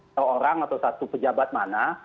seorang atau satu pejabat mana